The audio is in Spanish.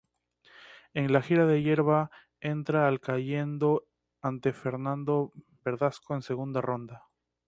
En la gira de hierba entra al cayendo ante Fernando Verdasco en segunda ronda.